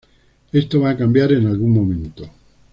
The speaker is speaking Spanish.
Esto va a cambiar en algún momento.